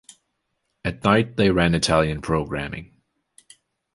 At night, they ran Italian programming.